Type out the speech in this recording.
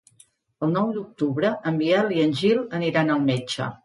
El nou d'octubre en Biel i en Gil aniran al metge.